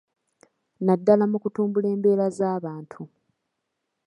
Naddala mu kutumbula embeera z’abantu.